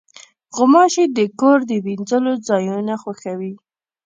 غوماشې د کور د وینځلو ځایونه خوښوي.